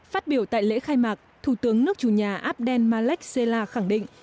phát biểu tại lễ khai mạc thủ tướng nước chủ nhà abdel malek sela khẳng định